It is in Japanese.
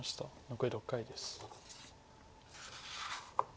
残り６回です。